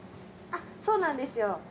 そうなんですよ。